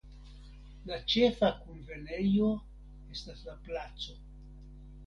La ĉefa kunvenejo estas la Placo.